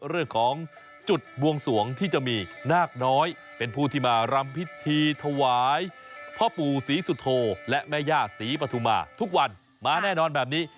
เรื่องของจุดบวงสวงที่จะมีนาคน้อยเป็นผู้ที่มารำพิธีถวายพ่อปู่ศรีสุโธและแม่ย่าศรีปฐุมาทุกวันมาแน่นอนแบบนี้